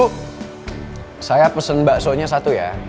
bu saya pesen bakso nya satu ya